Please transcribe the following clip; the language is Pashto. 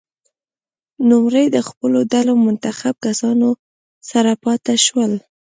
نوموړی د خپلو ډلو څو منتخب کسانو سره پاته شول.